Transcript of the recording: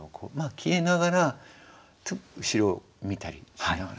消えながら後ろを見たりしながら。